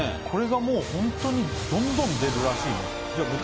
これがもうホントにどんどん出るらしいねじゃ